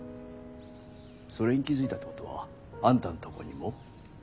それに気付いたってことはあんたんとこにも？